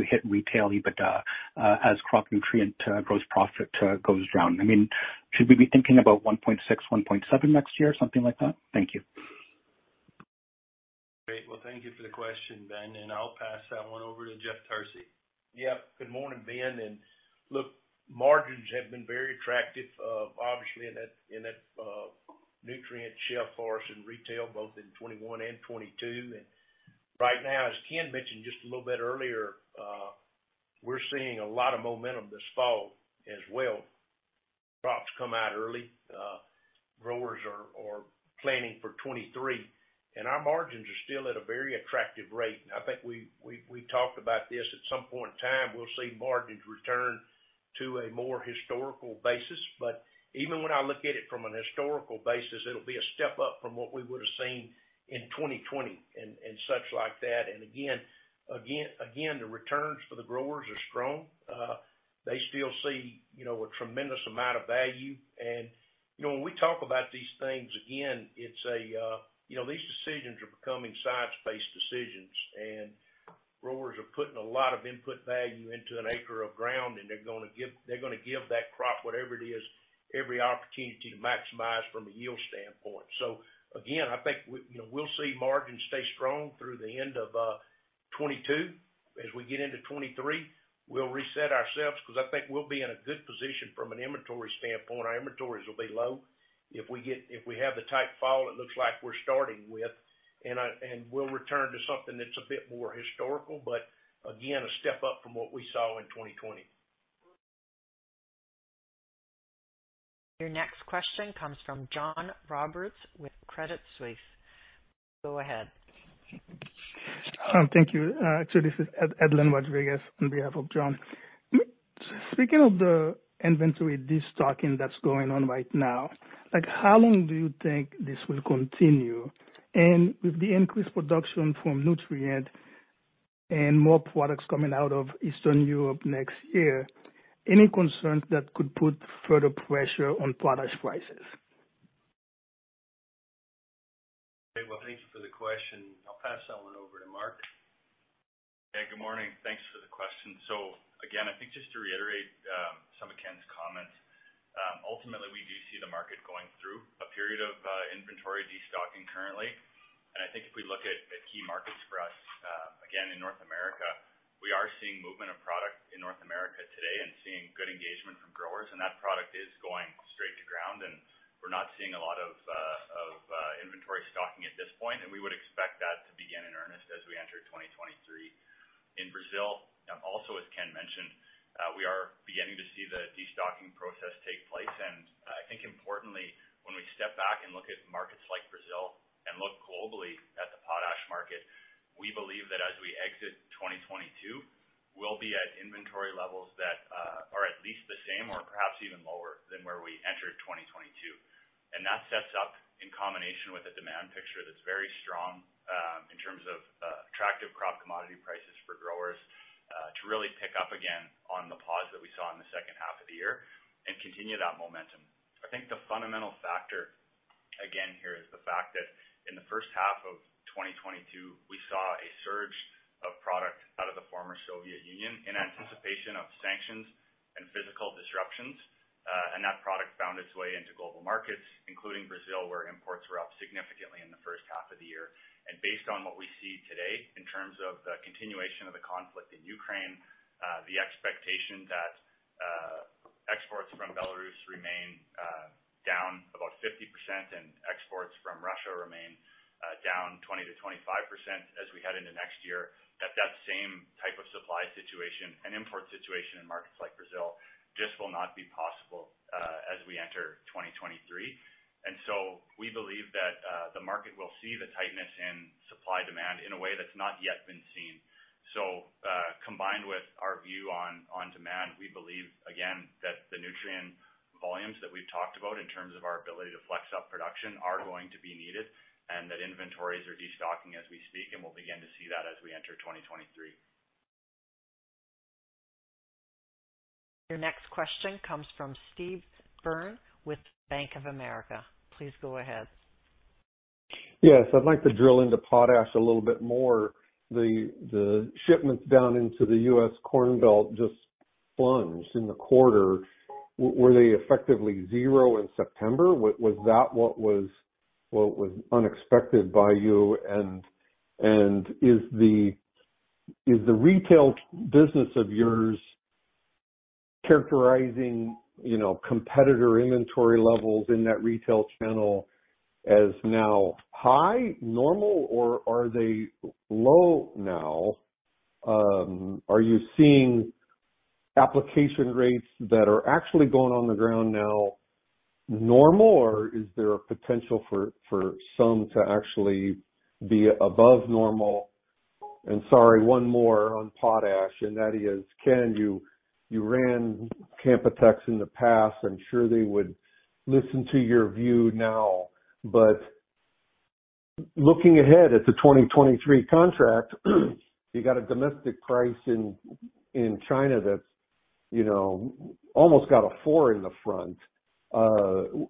hit retail EBITDA as crop nutrient gross profit goes down? I mean, should we be thinking about 1.6, 1.7 next year, something like that? Thank you. Great. Well, thank you for the question, Ben, and I'll pass that one over to Jeff Tarsi. Yeah. Good morning, Ben. Look, margins have been very attractive, obviously in that nutrient shelf for us in retail, both in 2021 and 2022. Right now, as Ken mentioned just a little bit earlier, we're seeing a lot of momentum this fall as well. Crops come out early, growers are planning for 2023, and our margins are still at a very attractive rate. I think we talked about this. At some point in time, we'll see margins return to a more historical basis. But even when I look at it from an historical basis, it'll be a step up from what we would've seen in 2020 and such like that. Again, the returns for the growers are strong. They still see, you know, a tremendous amount of value. You know, when we talk about these things, again, it's a. You know, these decisions are becoming science-based decisions, and growers are putting a lot of input value into an acre of ground, and they're gonna give that crop, whatever it is, every opportunity to maximize from a yield standpoint. So again, I think we, you know, we'll see margins stay strong through the end of 2022. As we get into 2023, we'll reset ourselves, 'cause I think we'll be in a good position from an inventory standpoint. Our inventories will be low if we have the type of fall it looks like we're starting with. And we'll return to something that's a bit more historical, but again, a step up from what we saw in 2020. Your next question comes from John Roberts with Credit Suisse. Go ahead. Thank you. This is Edlain Rodriguez on behalf of John. Speaking of the inventory destocking that's going on right now, like, how long do you think this will continue? With the increased production from Nutrien and more products coming out of Eastern Europe next year, any concerns that could put further pressure on potash prices? Okay. Well, thank you for the question. I'll pass that one over to Mark. Yeah, good morning. Thanks for the question. I think just to reiterate, some of Ken's comments, ultimately, we do see the market going through a period of inventory destocking currently. I think if we look at key markets for us, again, in North America, we are seeing movement of product in North America today and seeing good engagement from growers. That product is going straight to ground, and we're not seeing a lot of inventory stocking at this point, and we would expect that to begin in earnest as we enter 2023. In Brazil, also as Ken mentioned, we are beginning to see the destocking process take place. I think importantly, when we step back and look at markets like Brazil and look globally at the potash market, we believe that as we exit 2022, we'll be at inventory levels that are at least the same or perhaps even lower than where we entered 2022. That sets up in combination with a demand picture that's very strong, in terms of, attractive crop commodity prices for growers, to really pick up again on the pause that we saw in the second half of the year and continue that momentum. I think the fundamental factor, again, here is the fact that in the first half of 2022, we saw a surge of product out of the former Soviet Union in anticipation of sanctions and physical disruptions. That product found its way into global markets, including Brazil, where imports were up significantly in the first half of the year. Based on what we see today in terms of the continuation of the conflict in Ukraine, the expectation that exports from Belarus remain down about 50% and exports from Russia remain down 20%-25% as we head into next year, that same type of supply situation and import situation in markets like Brazil just will not be possible as we enter 2023. We believe that the market will see the tightness in supply-demand in a way that's not yet been seen. Combined with our view on demand, we believe again that the nutrient volumes that we've talked about in terms of our ability to flex up production are going to be needed, and that inventories are destocking as we speak, and we'll begin to see that as we enter 2023. Your next question comes from Steve Byrne with Bank of America. Please go ahead. Yes. I'd like to drill into potash a little bit more. The shipments down into the U.S. Corn Belt just plunged in the quarter. Were they effectively zero in September? Was that what was unexpected by you? Is the retail business of yours characterizing, you know, competitor inventory levels in that retail channel as now high, normal or are they low now? Are you seeing application rates that are actually going on the ground now normal, or is there a potential for some to actually be above normal? Sorry, one more on potash, and that is, Ken, you ran Canpotex in the past. I'm sure they would listen to your view now. Looking ahead at the 2023 contract, you got a domestic price in China that's, you know, almost got a four in the front.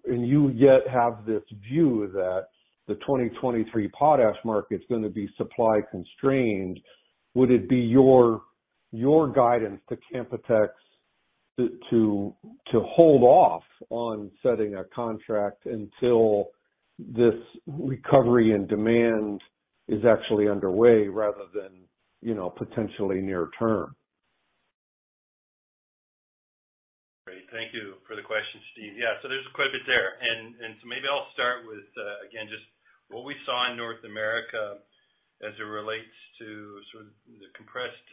you yet have this view that the 2023 potash market's gonna be supply constrained. Would it be your guidance to Canpotex. To hold off on setting a contract until this recovery and demand is actually underway rather than, you know, potentially near-term? Great. Thank you for the question, Steve. Yeah. There's quite a bit there. Maybe I'll start with, again, just what we saw in North America as it relates to sort of the compressed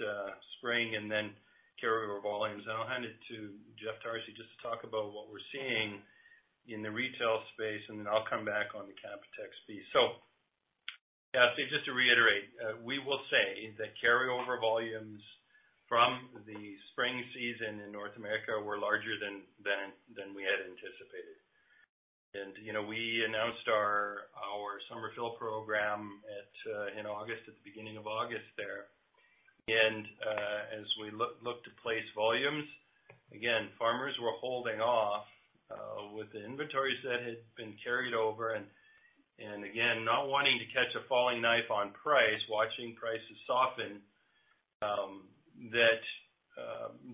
spring and then carry over volumes. I'll hand it to Jeff Tarsi just to talk about what we're seeing in the retail space, and then I'll come back on the Canpotex piece. Yeah, Steve, just to reiterate, we will say that carryover volumes from the spring season in North America were larger than we had anticipated. You know, we announced our summer fill program in August, at the beginning of August there. As we look to place volumes, again, farmers were holding off with the inventories that had been carried over. again, not wanting to catch a falling knife on price, watching prices soften,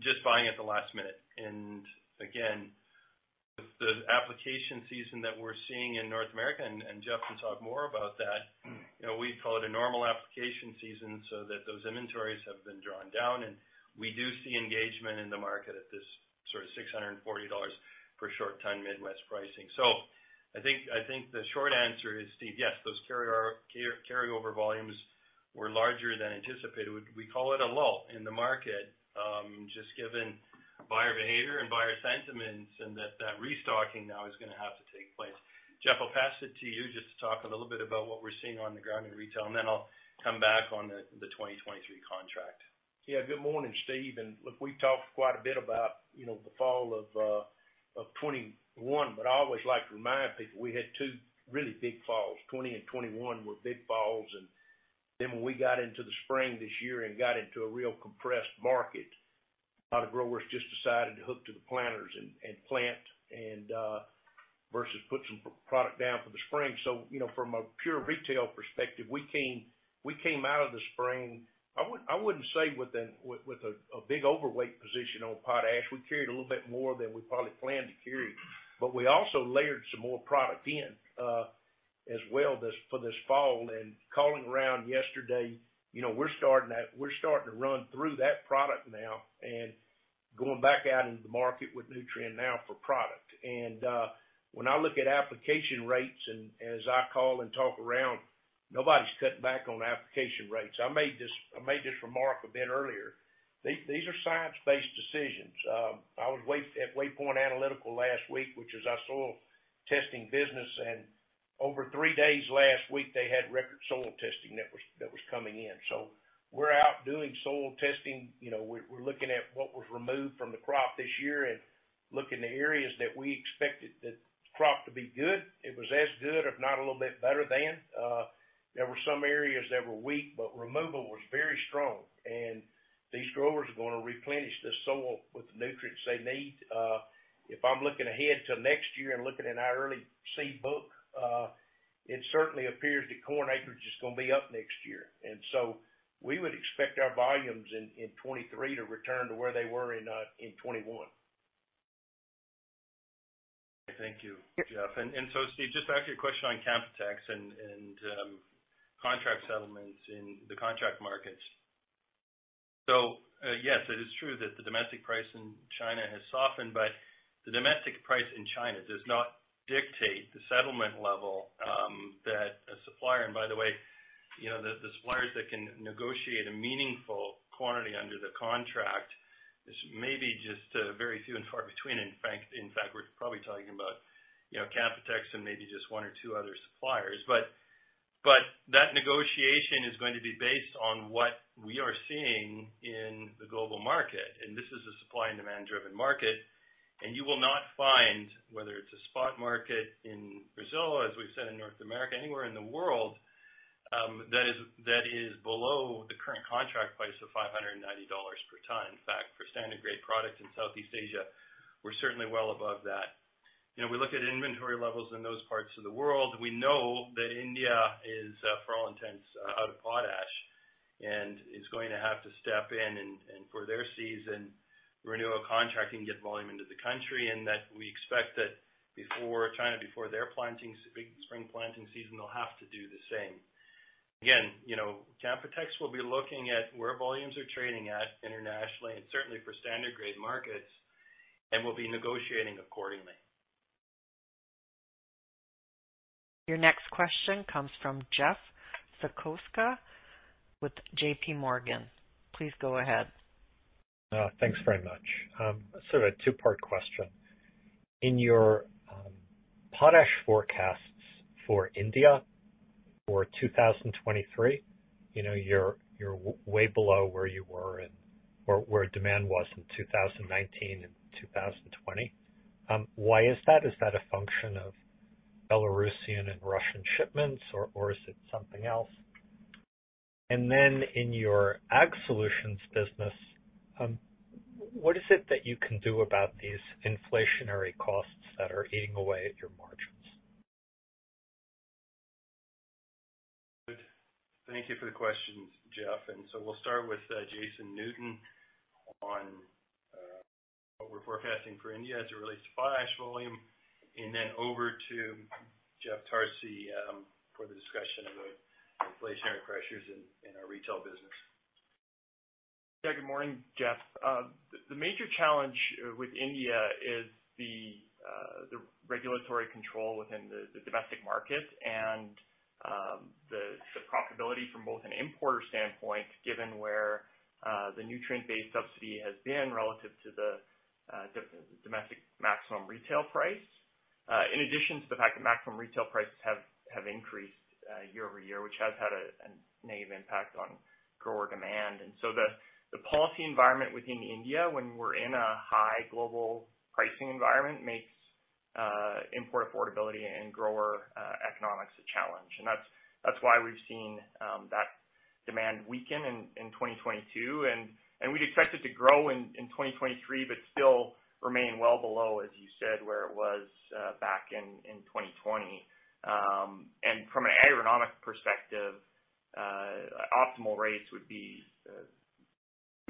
just buying at the last minute. again, the application season that we're seeing in North America, Jeff can talk more about that, you know, we'd call it a normal application season so that those inventories have been drawn down. we do see engagement in the market at this sort of $640 per short ton Midwest pricing. I think the short answer is, Steve, yes, those carryover volumes were larger than anticipated. We call it a lull in the market, just given buyer behavior and buyer sentiments, and that restocking now is gonna have to take place. Jeff, I'll pass it to you just to talk a little bit about what we're seeing on the ground in retail, and then I'll come back on the 2023 contract. Yeah. Good morning, Steve. Look, we talked quite a bit about, you know, the fall of 2021, but I always like to remind people we had two really big falls. 2020 and 2021 were big falls. Then when we got into the spring this year and got into a real compressed market, a lot of growers just decided to hook to the planters and plant versus put some P product down for the spring. You know, from a pure retail perspective, we came out of the spring. I wouldn't say with a big overweight position on potash. We carried a little bit more than we probably planned to carry, but we also layered some more product in as well this for this fall. Calling around yesterday, you know, we're starting to run through that product now and going back out into the market with Nutrien now for product. When I look at application rates and as I call and talk around, nobody's cutting back on application rates. I made this remark a bit earlier. These are science-based decisions. I was way at Waypoint Analytical last week, which is our soil testing business, and over three days last week, they had record soil testing that was coming in. We're out doing soil testing. You know, we're looking at what was removed from the crop this year and looking at areas that we expected the crop to be good. It was as good, if not a little bit better than. There were some areas that were weak, but removal was very strong, and these growers are gonna replenish the soil with the nutrients they need. If I'm looking ahead to next year and looking in our early seed book, it certainly appears that corn acreage is gonna be up next year. We would expect our volumes in 2023 to return to where they were in 2021. Thank you, Jeff. Steve, just back to your question on Canpotex and contract settlements in the contract markets. Yes, it is true that the domestic price in China has softened, but the domestic price in China does not dictate the settlement level that a supplier. By the way, you know, the suppliers that can negotiate a meaningful quantity under the contract is maybe just very few and far between. In fact, we're probably talking about, you know, Canpotex and maybe just one or two other suppliers. That negotiation is going to be based on what we are seeing in the global market, and this is a supply and demand-driven market. You will not find, whether it's a spot market in Brazil, as we've said in North America, anywhere in the world, that is below the current contract price of $590 per ton. In fact, for standard grade products in Southeast Asia, we're certainly well above that. You know, we look at inventory levels in those parts of the world. We know that India is for all intents out of potash and is going to have to step in and for their season, renewal contracting get volume into the country, and that we expect that before China, before their planting, spring planting season, they'll have to do the same. Again, you know, Canpotex will be looking at where volumes are trading at internationally and certainly for standard grade markets, and we'll be negotiating accordingly. Your next question comes from Jeffrey Zekauskas with JPMorgan. Please go ahead. Thanks very much. Sort of a two-part question. In your potash forecasts for India for 2023, you know, you're way below where you were in or where demand was in 2019 and 2020. Why is that? Is that a function of Belarusian and Russian shipments or is it something else? In your ag solutions business, what is it that you can do about these inflationary costs that are eating away at your margin? Thank you for the questions, Jeff. We'll start with Jason Newton on what we're forecasting for India as it relates to potash volume. Over to Jeff Tarsi for the discussion of the inflationary pressures in our retail business. Yeah, good morning, Jeff. The major challenge with India is the regulatory control within the domestic market and the profitability from both an importer standpoint, given where the nutrient-based subsidy has been relative to the domestic maximum retail price. In addition to the fact that maximum retail prices have increased year-over-year, which has had a negative impact on grower demand. The policy environment within India, when we're in a high global pricing environment, makes import affordability and grower economics a challenge. That's why we've seen that demand weaken in 2022. We'd expect it to grow in 2023, but still remain well below, as you said, where it was back in 2020. From an agronomic perspective, optimal rates would be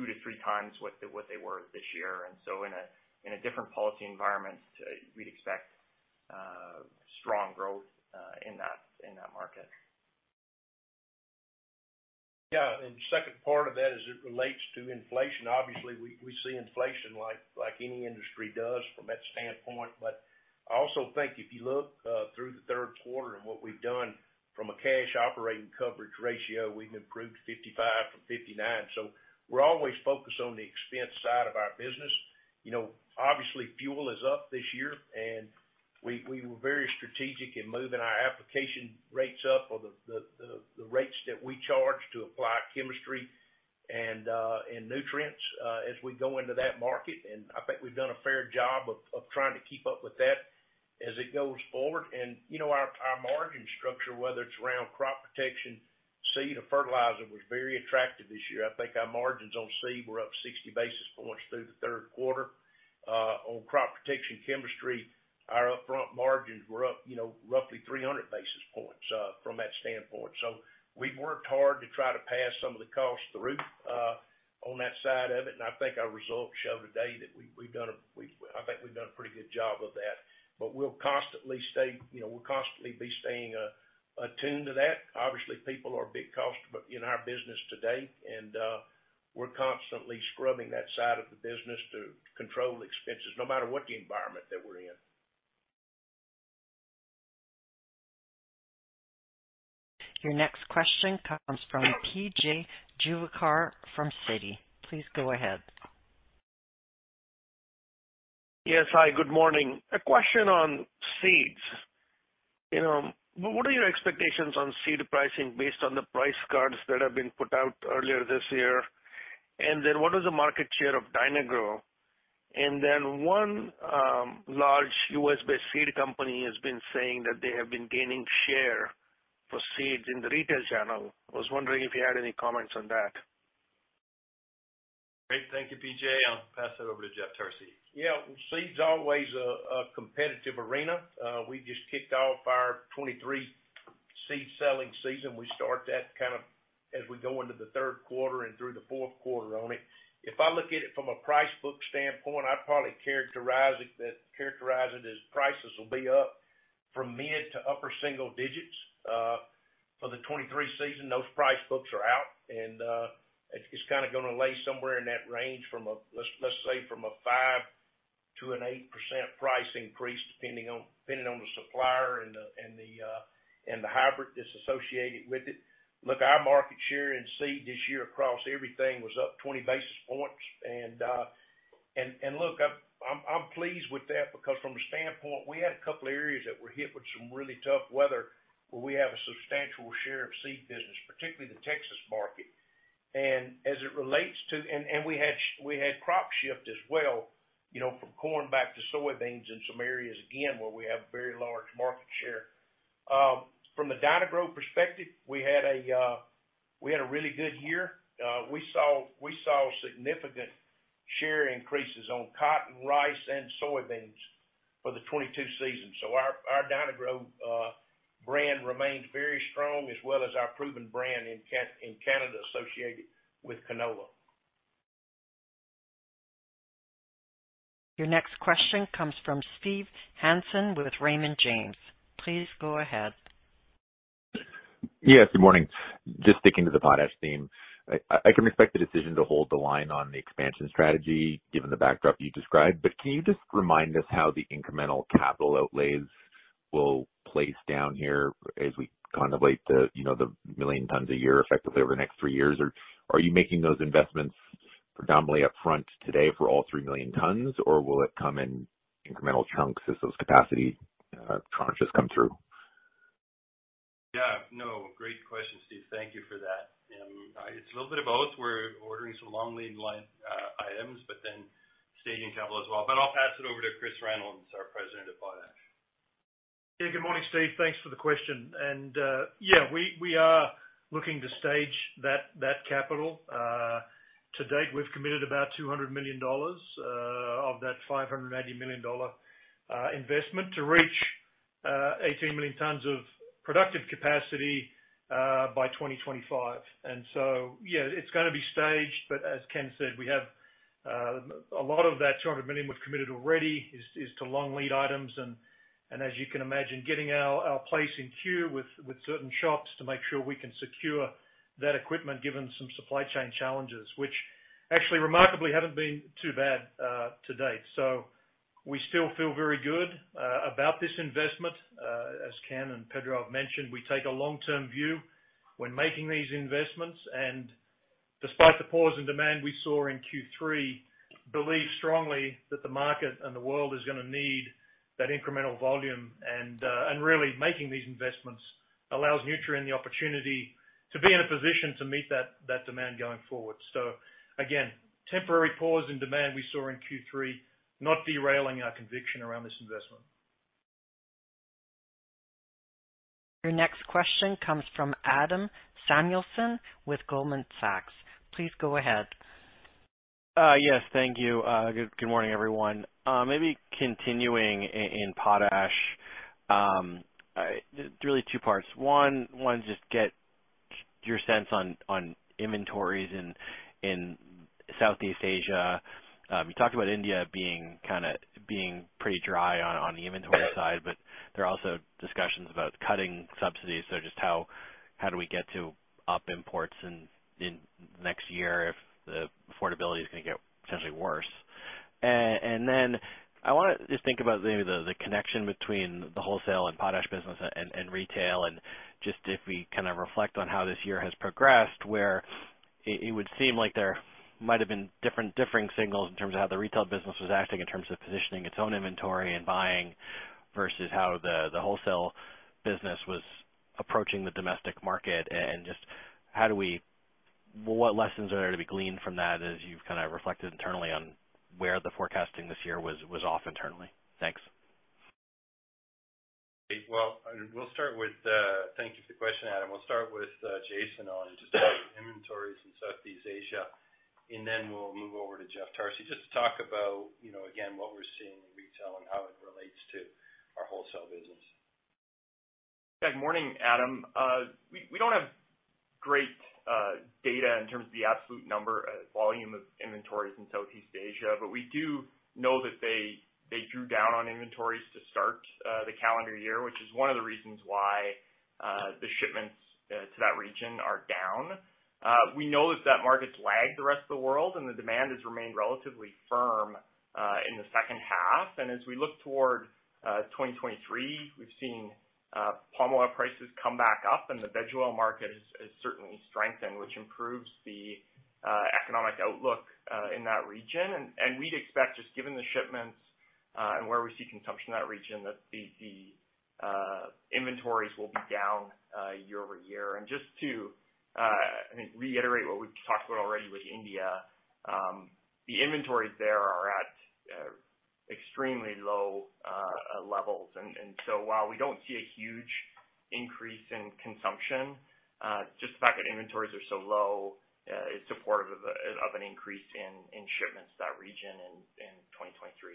two to three times what they were this year. In a different policy environment, we'd expect strong growth in that market. Yeah, the second part of that as it relates to inflation. Obviously, we see inflation like any industry does from that standpoint. I also think if you look through the third quarter and what we've done from a Cash Operating Coverage Ratio, we've improved 55 from 59. We're always focused on the expense side of our business. You know, obviously, fuel is up this year, and we were very strategic in moving our application rates up or the rates that we charge to apply chemistry and nutrients as we go into that market. I think we've done a fair job of trying to keep up with that as it goes forward. You know, our margin structure, whether it's around crop protection, seed, or fertilizer, was very attractive this year. I think our margins on seed were up 60 basis points through the third quarter. On crop protection chemistry, our upfront margins were up, you know, roughly 300 basis points from that standpoint. We've worked hard to try to pass some of the costs through on that side of it, and I think our results show today that we've done a pretty good job of that. We'll constantly stay, you know, attuned to that. Obviously, people are a big cost in our business today, and we're constantly scrubbing that side of the business to control expenses no matter what the environment that we're in. Your next question comes from P.J. Juvekar from Citi. Please go ahead. Yes. Hi, good morning. A question on seeds. You know, what are your expectations on seed pricing based on the price cards that have been put out earlier this year? And then what is the market share of Dyna-Gro? And then one large U.S.-based seed company has been saying that they have been gaining share for seeds in the retail channel. I was wondering if you had any comments on that. Great. Thank you, P.J. I'll pass that over to Jeff Tarsi. Yeah. Seed's always a competitive arena. We just kicked off our 2023 seed selling season. We start that kind of as we go into the third quarter and through the fourth quarter on it. If I look at it from a price book standpoint, I'd probably characterize it as prices will be up from mid to upper single digits for the 2023 season. Those price books are out, and it's kinda gonna lay somewhere in that range from a, let's say from a 5%-8% price increase, depending on the supplier and the hybrid that's associated with it. Look, our market share in seed this year across everything was up 20 basis points. Look, I'm pleased with that because from the standpoint, we had a couple areas that were hit with some really tough weather, where we have a substantial share of seed business, particularly the Texas market. We had crop shift as well, you know, from corn back to soybeans in some areas, again, where we have very large market share. From the Dyna-Gro perspective, we had a really good year. We saw significant share increases on cotton, rice, and soybeans for the 2022 season. Our Dyna-Gro brand remains very strong, as well as our Proven brand in Canada associated with canola. Your next question comes from Steve Hansen with Raymond James. Please go ahead. Yes, good morning. Just sticking to the Potash theme. I can respect the decision to hold the line on the expansion strategy, given the backdrop you described. Can you just remind us how the incremental capital outlays will play out here as we contemplate the, you know, the 1 million tons a year effectively over the next three years? Or are you making those investments predominantly up front today for all 3 million tons, or will it come in incremental chunks as those capacity tranches come through? Yeah, no. Great question, Steve. Thank you for that. It's a little bit of both. We're ordering some long lead line items, but then staging capital as well. I'll pass it over to Chris Reynolds, our President of Potash. Yeah. Good morning, Steve. Thanks for the question. We are looking to stage that capital. To date, we've committed about $200 million of that $580 million investment to reach 18 million tons of productive capacity by 2025. It's gonna be staged, but as Ken said, we have a lot of that $200 million we've committed already is to long lead items. As you can imagine, getting our place in queue with certain shops to make sure we can secure that equipment, given some supply chain challenges, which actually remarkably haven't been too bad to date. We still feel very good about this investment. As Ken and Pedro have mentioned, we take a long-term view when making these investments. Despite the pause in demand we saw in Q3, believe strongly that the market and the world is gonna need that incremental volume. Really making these investments allows Nutrien the opportunity to be in a position to meet that demand going forward. Again, temporary pause in demand we saw in Q3, not derailing our conviction around this investment. Your next question comes from Adam Samuelson with Goldman Sachs. Please go ahead. Yes, thank you. Good morning, everyone. Maybe continuing in potash. Really two parts. One, wanted to just get your sense on inventories in Southeast Asia. You talked about India being kinda pretty dry on the inventory side, but there are also discussions about cutting subsidies. Just how do we get to up imports in next year if the affordability is gonna get potentially worse? I wanna just think about maybe the connection between the wholesale and potash business and retail, and just if we kinda reflect on how this year has progressed, where it would seem like there might have been differing signals in terms of how the retail business was acting in terms of positioning its own inventory and buying versus how the wholesale business was approaching the domestic market. What lessons are there to be gleaned from that as you've kinda reflected internally on where the forecasting this year was off internally? Thanks. Well, we'll start with thank you for the question, Adam. We'll start with Jason on just inventories in Southeast Asia, and then we'll move over to Jeff Tarsi just to talk about, you know, again, what we're seeing in retail and how it relates to our wholesale business. Good morning, Adam. We don't have great data in terms of the absolute number, volume of inventories in Southeast Asia, but we do know that they drew down on inventories to start the calendar year, which is one of the reasons why the shipments to that region are down. We know that that market's lagged the rest of the world, and the demand has remained relatively firm in the second half. As we look toward 2023, we've seen palm oil prices come back up and the veg oil market is certainly strengthened, which improves the economic outlook in that region. We'd expect, just given the shipments and where we see consumption in that region, that the inventories will be down year-over-year. Just to, I think, reiterate what we've talked about already with India, the inventories there are at extremely low levels. While we don't see a huge increase in consumption, just the fact that inventories are so low is supportive of an increase in shipments to that region in 2023.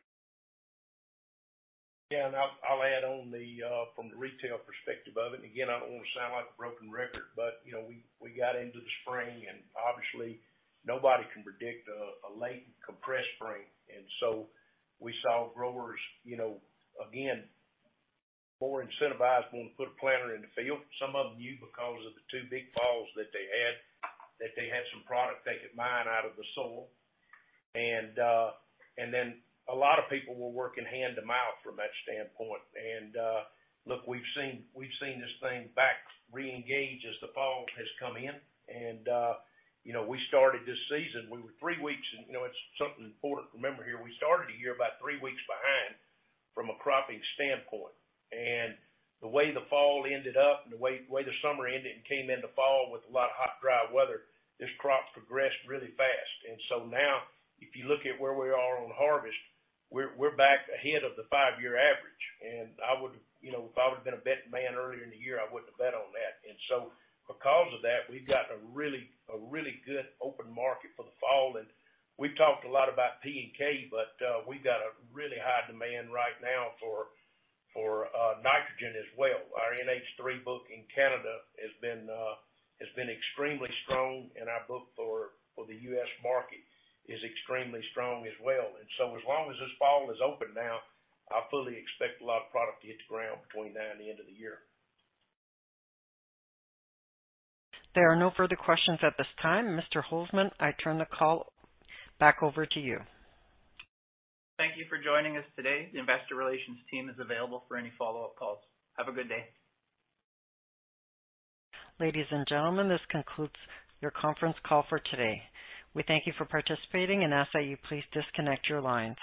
Yeah. I'll add on the from the retail perspective of it, and again, I don't wanna sound like a broken record, but you know, we got into the spring and obviously nobody can predict a late compressed spring. We saw growers you know again more incentivized wanting to put a planter in the field. Some of them knew because of the two big falls that they had that they had some product they could mine out of the soil. A lot of people were working hand to mouth from that standpoint. Look, we've seen this thing back reengage as the fall has come in. You know, we started this season, we were three weeks and you know it's something important to remember here. We started a year about three weeks behind from a cropping standpoint. The way the fall ended up and the way the summer ended and came into fall with a lot of hot, dry weather, this crop progressed really fast. Now if you look at where we are on harvest, we're back ahead of the five-year average. I would've, you know, if I would've been a betting man earlier in the year, I wouldn't have bet on that. Because of that, we've got a really good open market for the fall. We've talked a lot about P and K, but we've got a really high demand right now for nitrogen as well. Our NH3 book in Canada has been extremely strong. Our book for the U.S. market is extremely strong as well. As long as this fall is open now, I fully expect a lot of product to hit the ground between now and the end of the year. There are no further questions at this time. Mr. Holzman, I turn the call back over to you. Thank you for joining us today. The investor relations team is available for any follow-up calls. Have a good day. Ladies and gentlemen, this concludes your conference call for today. We thank you for participating and ask that you please disconnect your lines.